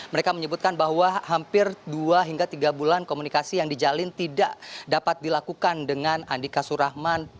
mereka menyebutkan bahwa hampir dua hingga tiga bulan komunikasi yang dijalin tidak dapat dilakukan dengan andika surahman